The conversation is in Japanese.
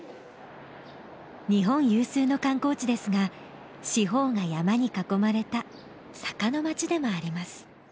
日本有数の観光地ですが四方が山に囲まれた坂の町でもあります。